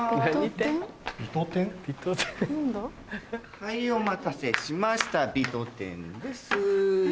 はいお待たせしましたヴィト天です。